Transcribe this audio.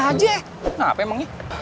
biar gak aja